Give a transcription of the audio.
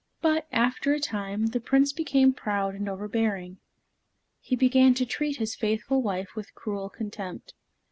But, after a time, the Prince became proud and overbearing. He began to treat his faithful wife with cruel contempt.